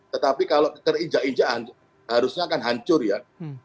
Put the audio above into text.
tetapi kalau keterinjak injak harusnya akan hancur ya